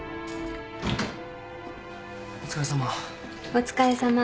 お疲れさま。